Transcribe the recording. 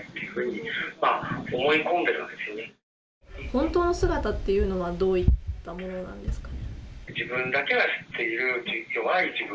本当の姿というのはどういったものなんですか。